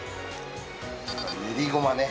練りごまね。